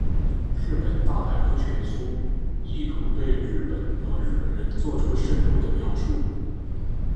日本大百科全书意图对日本和日本人作出深入的描述。